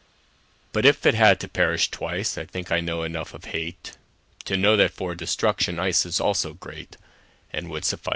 But if it had to perish twice,I think I know enough of hateTo know that for destruction iceIs also greatAnd would suffice.